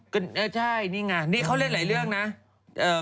ก็แหงกับพระเอกไง